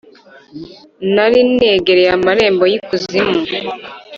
nari negereye amarembo y’ikuzimu.